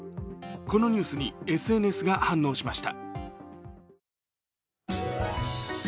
このニュースにＳＮＳが反応しました。